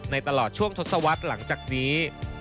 ตลอดช่วงทศวรรษหลังจากนี้